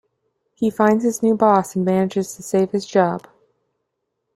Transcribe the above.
He finds his new boss and manages to save his job.